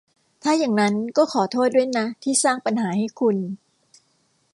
ถ้าอย่างนั้นก็ขอโทษด้วยนะที่สร้างปัญหาให้คุณ